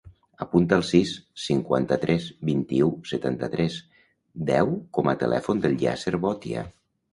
Apunta el sis, cinquanta-tres, vint-i-u, setanta-tres, deu com a telèfon del Yasser Botia.